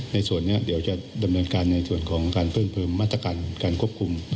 ในส่วนนี้เดี๋ยวจะดำเนินการในส่วนของการเพิ่มเติมมาตรการการควบคุม